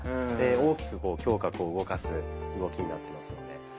大きく胸郭を動かす動きになってますので。